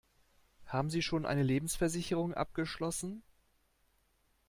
Haben Sie schon eine Lebensversicherung abgeschlossen?